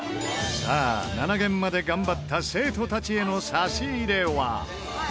さあ７限まで頑張った生徒たちへの差し入れは？